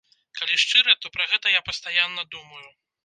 Калі шчыра, то пра гэта я пастаянна думаю.